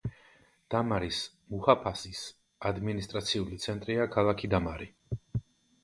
დამარის მუჰაფაზის ადმინისტრაციული ცენტრია ქალაქი დამარი.